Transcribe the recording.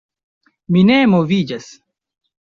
Mi ne moviĝas.